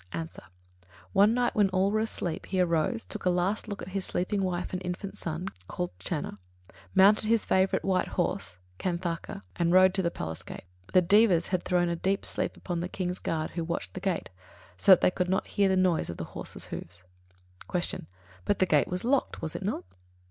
_ A. One night, when all were asleep, he arose, took a last look at his sleeping wife and infant son; called Channa, mounted his favourite white horse Kanthaka, and rode to the palace gate. The Devas had thrown a deep sleep upon the King's guard who watched the gate, so that they could not hear the noise of the horse's hoofs. 42. Q. _But the gate was locked, was it not?